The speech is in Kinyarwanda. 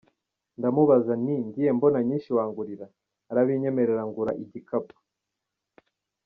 Ndamubaza nti ngiye mbona nyinshi wangurira ? Arabinyemerera ngura igikapu,… .